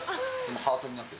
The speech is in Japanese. ハートになってる。